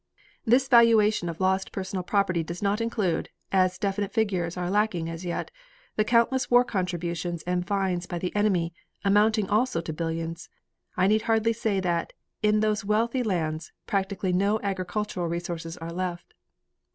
"This valuation of lost personal property does not include as definite figures are lacking as yet the countless war contributions and fines by the enemy, amounting also to billions. I need hardly say that, in those wealthy lands, practically no agricultural resources are left.